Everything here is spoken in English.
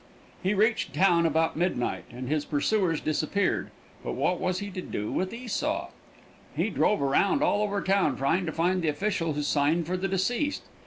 He reached town about midnight, and his pursuers disappeared. But what was he to do with Esau? He drove around all over town trying to find the official who signed for the deceased.